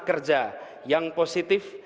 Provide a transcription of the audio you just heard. kerja yang positif